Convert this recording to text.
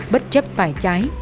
bất chấp phải trái